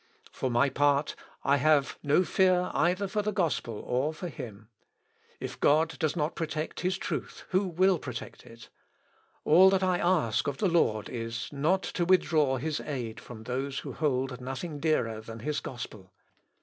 For my part I have no fear either for the gospel or for him. If God does not protect his truth, who will protect it? All that I ask of the Lord is, not to withdraw his aid from those who hold nothing dearer than his gospel.